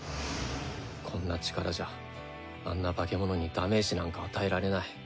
こんな力じゃあんな化け物にダメージなんか与えられない。